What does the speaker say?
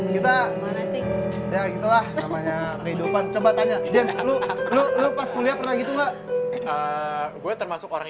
kita ya itulah namanya kehidupan coba tanya jenis lu lu pas kuliah pernah gitu enggak gue termasuk orang